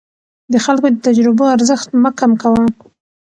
د خلکو د تجربو ارزښت مه کم کوه.